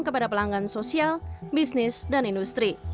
kepada pelanggan sosial bisnis dan industri